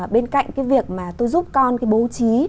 bên cạnh cái việc mà tôi giúp con cái bố trí